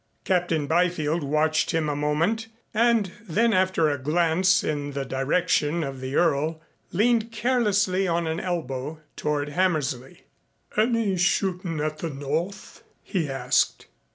Captain Byfield watched him a moment and then after a glance in the direction of the Earl leaned carelessly on an elbow toward Hammersley. "Any shootin' at the North?" he asked.